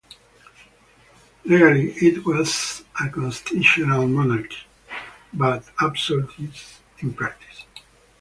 Legally it was a constitutional monarchy, but absolutist in practice.